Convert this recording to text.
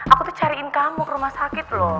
aku tuh cariin kamu ke rumah sakit loh